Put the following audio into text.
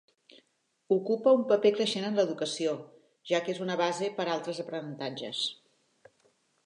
Ocupa un paper creixent en l'educació, ja que és una base per a altres aprenentatges.